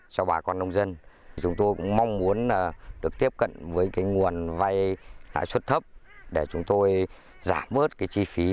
chúng tôi cũng mong muốn được tiếp cận với nguồn vay sốt thấp để chúng tôi giảm bớt chi phí